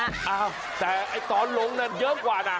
อ้าวแต่ไอ้ตอนลงนั่นเยอะกว่าน่ะ